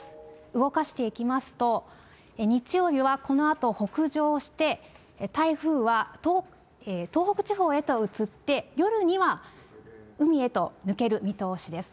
動かしていきますと、日曜日にはこのあと北上して、台風は東北地方へと移って、夜には海へと抜ける見通しです。